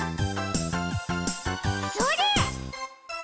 それ！